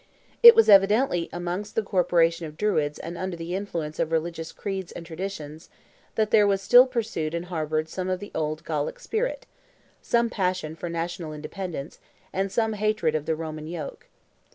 It was evidently amongst the corporation of Druids and under the influence of religious creeds and traditions, that there was still pursued and harbored some of the old Gallic spirit, some passion for national independence, and some hatred of the Roman yoke.